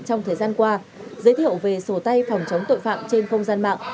trong thời gian qua giới thiệu về sổ tay phòng chống tội phạm trên không gian mạng